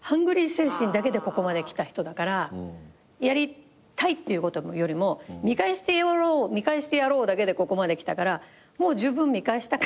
精神だけでここまできた人だからやりたいっていうことよりも見返してやろう見返してやろうだけでここまできたからもうじゅうぶん見返した。